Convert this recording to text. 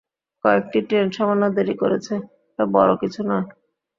কয়েকটি ট্রেন সামান্য দেরি করেছে, এটা বড় কিছু নয়।